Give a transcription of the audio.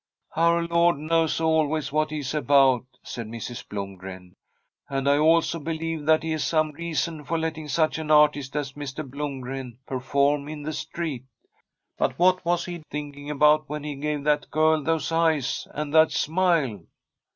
' Our Lord knows always what He is about,' said Mrs. Blomgren ;' and I also believe that He has some reason for letting such an artist as Mr. Blomgren perform in the street. But what was He thinking about when He gave that girl those eyes and that smile